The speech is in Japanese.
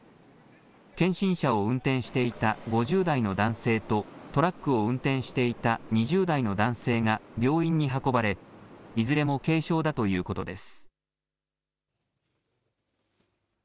検診車を運転していた５０代の男性と、トラックを運転していた２０代の男性が病院に運ばれ、いずれも軽傷だということです。